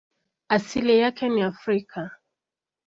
Asili yake ni Afrika.